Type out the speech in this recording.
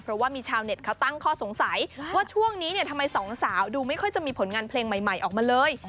เพราะว่ามีชาวเน็ตเขาตั้งข้อสงสัยว่าช่วงนี้เนี่ยทำไมสองสาวดูไม่ค่อยจะมีผลงานเพลงใหม่ออกมาเลย